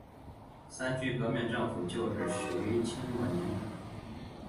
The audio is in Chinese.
三区革命政府旧址始建于清朝末年。